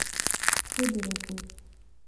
Хыдароуп уи.